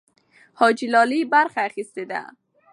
حاجي لالي برخه اخیستې ده.